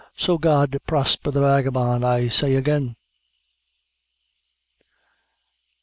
so God prosper the vagabone, I say again."